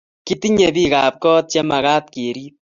Kitinye bikaap koot chemagaat keriip